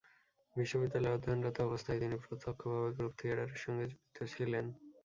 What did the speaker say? বিশ্ববিদ্যালয়ে অধ্যয়নরত অবস্থায় তিনি প্রত্যক্ষভাবে গ্রুপ থিয়েটারের সঙ্গে জড়িত ছিলেন।